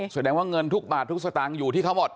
แสดงว่าเงินทุกบาททุกสตางค์อยู่ที่เขาหมด